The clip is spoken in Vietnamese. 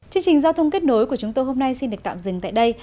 chương trình giao thông kết nối của chúng tôi hôm nay xin được tạm dừng tại đây